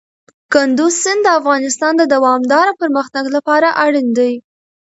کندز سیند د افغانستان د دوامداره پرمختګ لپاره اړین دی.